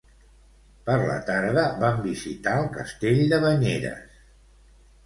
Per la tarda vam visitar el castell de Banyeres.